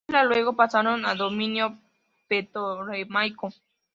Las islas luego pasaron a dominio ptolemaico.